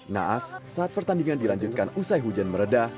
naas saat pertandingan dilanjutkan usai hujan meredah